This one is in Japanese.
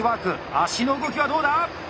足の動きはどうだ？